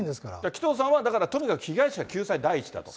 紀藤さんは、だからとにかく被害者救済第一だと。